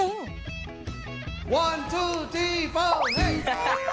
น่ารักมาก